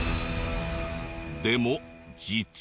でも実は。